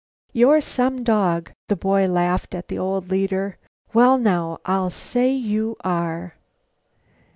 "You're some dog!" the boy laughed at the old leader. "Well, now, I'll say you are!"